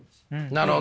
なるほど。